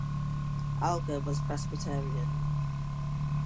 Alger was Presbyterian.